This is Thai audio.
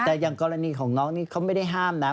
แต่อย่างกรณีของน้องนี่เขาไม่ได้ห้ามนะ